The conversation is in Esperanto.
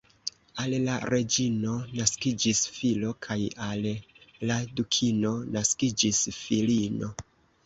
Al la reĝino naskiĝis filo kaj al la dukino naskiĝis filino.